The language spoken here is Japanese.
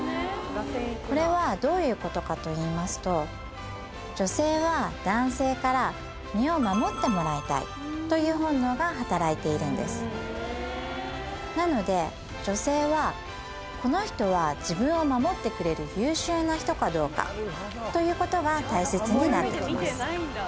これはどういうことかと言いますと女性はという本能が働いているんですなので女性はこの人は自分を守ってくれる優秀な人かどうかということが大切になってきます